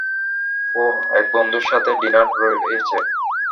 ওহ, এক বন্ধুর সাথে ডিনার রয়েছে।